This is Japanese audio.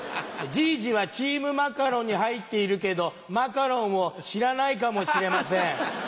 じいじはチームマカロンに入っているけどマカロンを知らないかもしれません。